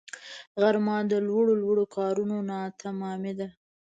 غرمه د لوړو لوړو کارونو ناتمامی ده